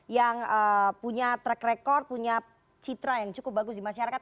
yang punya track record punya citra yang cukup bagus di masyarakat